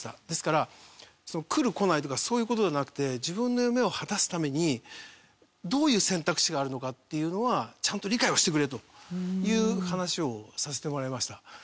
ですから来る来ないとかそういう事じゃなくて自分の夢を果たすためにどういう選択肢があるのかっていうのはちゃんと理解はしてくれという話をさせてもらいました。